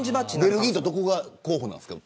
ベルギーとどこが候補ですか。